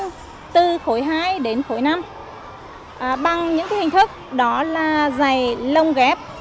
họ đã áp dụng cho học sinh từ khối hai đến khối năm bằng những hình thức đó là dày lông ghép